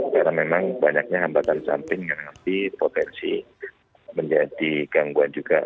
karena memang banyaknya hambatan samping yang nanti potensi menjadi gangguan juga